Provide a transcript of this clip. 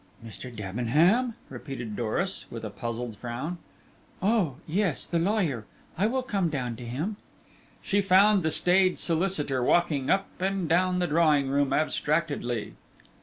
"Mr. Debenham?" repeated Doris, with a puzzled frown. "Oh, yes, the lawyer; I will come down to him." She found the staid solicitor walking up and down the drawing room abstractedly.